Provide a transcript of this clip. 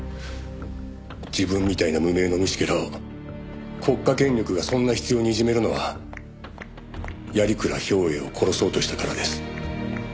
「自分みたいな無名の虫けらを国家権力がそんな執拗にいじめるのは鑓鞍兵衛を殺そうとしたからです」